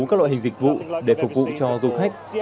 các loại hình dịch vụ để phục vụ cho du khách